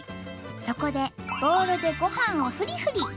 そこでボウルでご飯をフリフリ。